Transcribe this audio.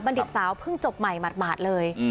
ดิตสาวเพิ่งจบใหม่หมาดเลย